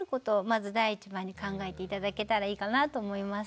まず第一番に考えて頂けたらいいかなと思います。